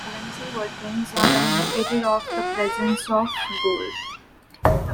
Galamsey workings are an indicator of the presence of gold.